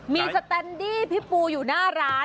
มีสแตนดี้พี่ปูอยู่หน้าร้าน